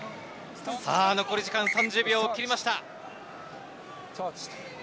残り時間、３０秒を切りました。